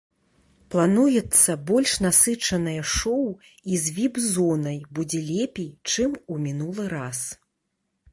Плануецца больш насычанае шоу і з віп-зонай будзе лепей, чым у мінулы раз.